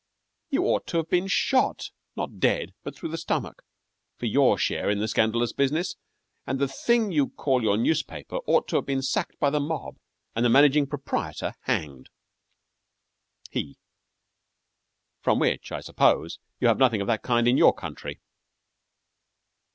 You ought to have been shot, not dead, but through the stomach, for your share in the scandalous business, and the thing you call your newspaper ought to have been sacked by the mob, and the managing proprietor hanged. HE From which, I suppose you have nothing of that kind in your country?